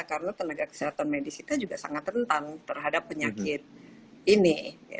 karena tenaga kesehatan medis kita juga sangat rentan terhadap penyakit ini